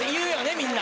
みんな。